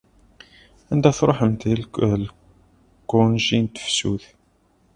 Anda truḥemt deg lgunji n tefsut?